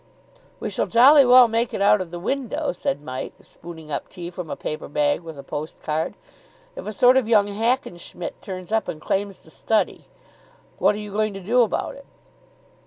"We shall jolly well make it out of the window," said Mike, spooning up tea from a paper bag with a postcard, "if a sort of young Hackenschmidt turns up and claims the study. What are you going to do about it?"